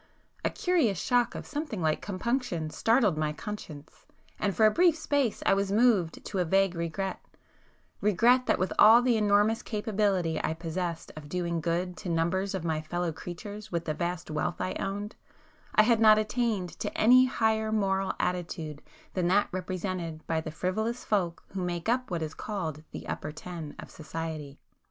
A curious shock of something like compunction startled my [p 293] conscience, and for a brief space I was moved to a vague regret,—regret that with all the enormous capability I possessed of doing good to numbers of my fellow creatures with the vast wealth I owned, I had not attained to any higher moral attitude than that represented by the frivolous folk who make up what is called the 'Upper Ten' of society.